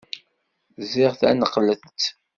Ẓẓiɣ taneqlet.